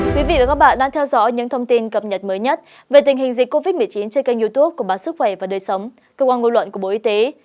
các bạn đang theo dõi những thông tin cập nhật mới nhất về tình hình dịch covid một mươi chín trên kênh youtube của bản sức khỏe và đời sống cơ quan ngôn luận của bộ y tế